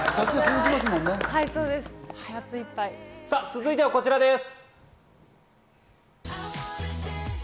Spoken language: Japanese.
続いてはこちらです。